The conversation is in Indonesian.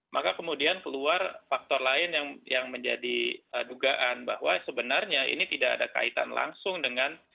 maka kemudian keluar faktor lain yang menjadi dugaan bahwa sebenarnya ini tidak ada kaitan langsung dengan